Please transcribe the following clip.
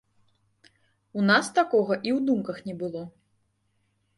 У нас такога і ў думках не было.